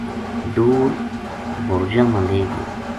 دُور بھُرجاں ما لے گیو